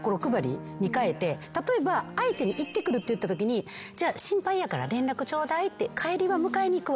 例えば相手に行ってくるって言ったときに「心配やから連絡ちょうだい」「帰りは迎えに行くわ」とか。